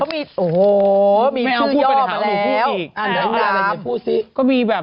โอ้โหมีชื่อยอกมาแล้ว